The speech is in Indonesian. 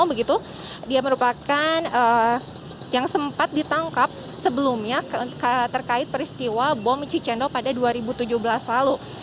begitu dia merupakan yang sempat ditangkap sebelumnya terkait peristiwa bom cicendo pada dua ribu tujuh belas lalu